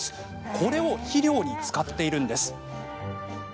これを肥料に使っているんです。